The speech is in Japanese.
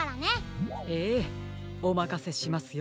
ええおまかせしますよ。